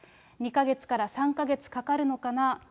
２か月から３か月かかるのかな。